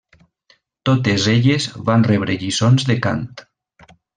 Totes elles van rebre lliçons de cant.